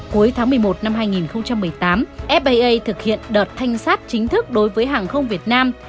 cuối tháng một mươi một năm hai nghìn một mươi tám faa thực hiện đợt thanh sát chính thức đối với hàng không việt nam